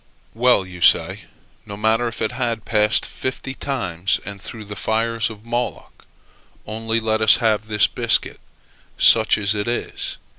"Well," you say, "No matter if it had passed fifty times and through the fires of Moloch; only let us have this biscuit, such as it is."